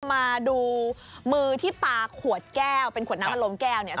มาดูมือที่ปลาขวดแก้วเป็นขวดน้ำอารมณ์แก้วเนี่ย